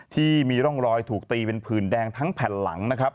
ที่มีร่องรอยถูกตีเป็นผื่นแดงทั้งแผ่นหลังนะครับ